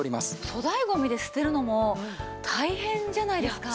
粗大ゴミで捨てるのも大変じゃないですか。